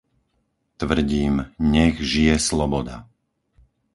Tvrdím, nech žije sloboda!